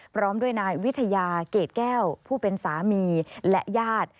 พร้อมด้วยนายวิทยาเกรดแก้วผู้เป็นสามีและญาติ